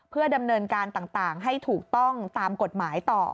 เพื่อดำเนินการต่างให้ถูกต้องตามกฎหมายต่อ